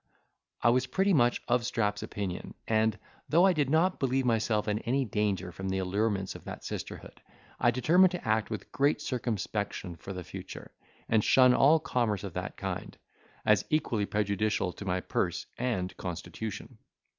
I was pretty much of Strap's opinion, and, though I did not believe myself in any danger from the allurements of that sisterhood, I determined to act with great circumspection for the future, and shun all commerce of that kind, as equally prejudicial to my purse and constitution.